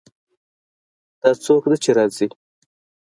دا څوک ده چې راځي